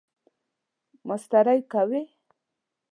ماسټری کوئ؟